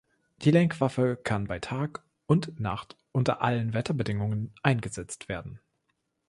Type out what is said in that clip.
Die Lenkwaffe kann bei Tag und Nacht unter allen Wetterbedingungen eingesetzt werden.